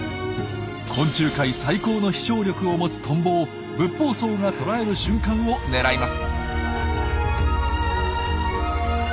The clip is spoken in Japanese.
昆虫界最高の飛翔力を持つトンボをブッポウソウが捕らえる瞬間を狙います。